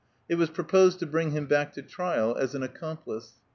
It was proposed to bring him back to trial as an accomplice.